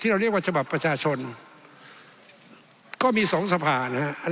๒๔๐ที่เราเรียกว่าฉบับประชาชนก็มี๒สัพหาอัน